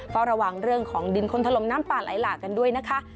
เฝ้าระวังเรื่องของดินคนถล่มน้ำป่าไหลหลากกันด้วยนะคะ